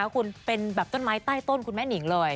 คุณเป็นแบบต้นไม้ใต้ต้นคุณแม่หนิงเลย